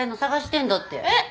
えっ？